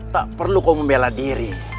tak perlu kau membela diri